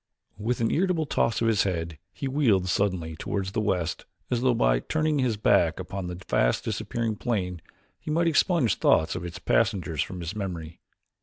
With an irritable toss of his head he wheeled suddenly toward the west as though by turning his back upon the fast disappearing plane he might expunge thoughts of its passengers from his memory.